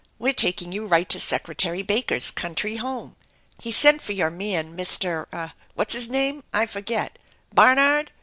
We're taking you right to Secretary Baker's country home. He sent for your man, Mr. What's his name ? I forget. Barnard?